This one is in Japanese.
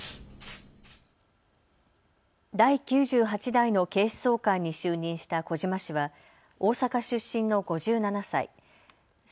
第９８代の警視総監に就任した小島氏は大阪出身の５７歳。